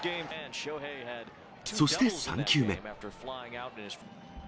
そして３球目。